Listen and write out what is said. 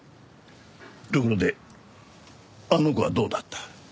ところであの子はどうだった？